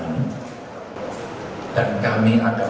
dan kami akan bergabung di pemerintah ini